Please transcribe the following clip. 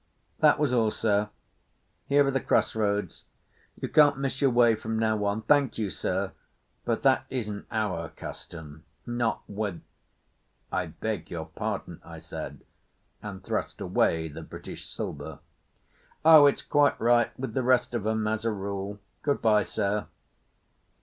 That was all, Sir. Here are the cross roads. You can't miss your way from now on. Thank you, Sir, but that isn't our custom, not with——" "I beg your pardon," I said, and thrust away the British silver. "Oh, it's quite right with the rest of 'em as a rule. Goodbye, Sir."